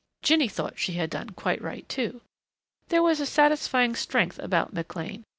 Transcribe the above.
Jinny thought she had done quite right, too. There was a satisfying strength about McLean.